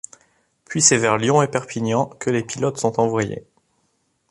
Puis c'est vers Lyon et Perpignan que les pilotes sont envoyés.